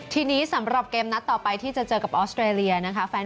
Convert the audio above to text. ทีนี้สำหรับเกมนัดต่อไปที่จะเจอกับออสเตรเลียนะคะ